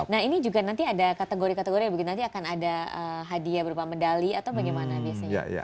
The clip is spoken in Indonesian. nah ini juga nanti ada kategori kategori mungkin nanti akan ada hadiah berupa medali atau bagaimana biasanya